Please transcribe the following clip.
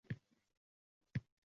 — Salom.